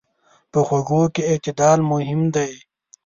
په خوږو کې اعتدال مهم دی.